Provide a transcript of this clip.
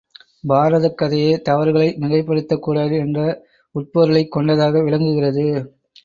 பாரதக்கதையே தவறுகளை மிகைப்படுத்தக்கூடாது என்ற உட்பொருளைக் கொண்டதாக விளங்குகிறது.